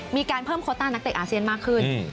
มีการเพิ่มโคต้านักเตะอาเซียนมากขึ้น